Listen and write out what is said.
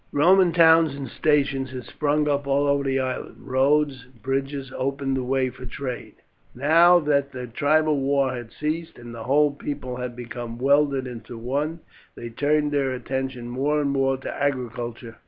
Roman towns and stations had sprung up all over the island, roads and bridges opened the way for trade. Now that the tribal wars had ceased, and the whole people had become welded into one, they turned their attention more and more to agriculture.